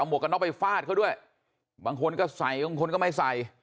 วกกันน็อกไปฟาดเขาด้วยบางคนก็ใส่บางคนก็ไม่ใส่